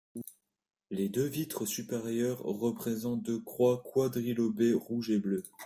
Les deux vitres supérieures représentent deux croix quadrilobées, rouge et bleue.